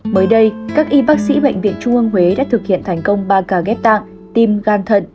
mới đây các y bác sĩ bệnh viện trung ương huế đã thực hiện thành công ba ca ghép tạng tim gan thận